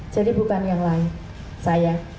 jadi bukan yang lain saya